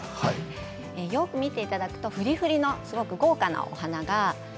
よく見ていただくとフリフリのすごく豪華なお花が。